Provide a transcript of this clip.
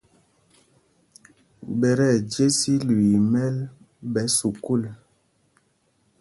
Ɓɛ tí ɛjes ilüii í mɛ́l ɓɛ sukûl.